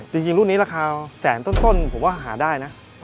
จริงรุ่นนี้ราคาแสนต้นผมว่าหาได้นะ